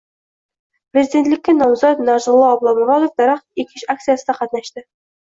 Prezidentlikka nomzod Narzullo Oblomurodov daraxt ekish aksiyasida qatnashdi